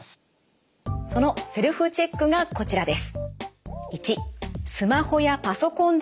そのセルフチェックがこちらです。